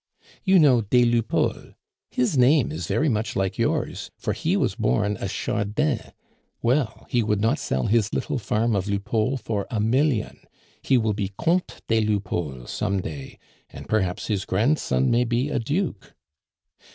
You know des Lupeaulx; his name is very much like yours, for he was born a Chardin; well, he would not sell his little farm of Lupeaulx for a million, he will be Comte des Lupeaulx some day, and perhaps his grandson may be a duke.